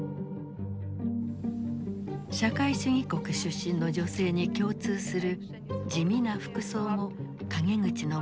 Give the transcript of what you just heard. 社会主義国出身の女性に共通する地味な服装も陰口の的となった。